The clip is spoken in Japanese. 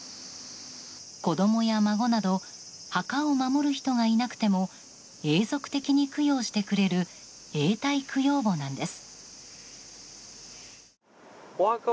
子供や孫など墓を守る人がいなくても永続的に供養してくれる永代供養墓なんです。